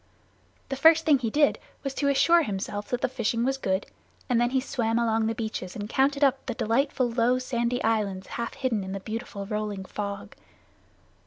The first thing he did was to assure himself that the fishing was good, and then he swam along the beaches and counted up the delightful low sandy islands half hidden in the beautiful rolling fog.